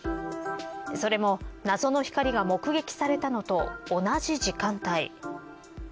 それも謎の光が目撃されたのと同じ時間帯。